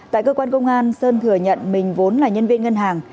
tại cơ quan công an sơn thừa nhận mình vốn là nhân viên ngân hàng